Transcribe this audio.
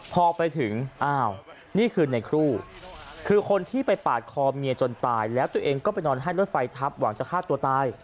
พอไปถึงอ้าวนี่คือในครูคือคนที่ไปปาดคอเมียจนตายแล้วตัวเองก็ไปนอนให้รถไฟทับหวังจะฆ่าตัวตาย